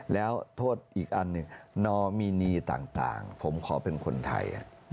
แล้วโทษอีกอันหนึ่งนอมินีต่างผมขอเป็นคนไทย